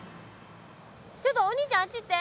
ちょっとお兄ちゃんあっち行って。